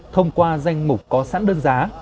thông qua danh mục có sẵn đơn giá